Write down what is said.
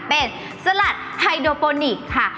เป็นสลัดไฮโดโปนิกส์ค่ะ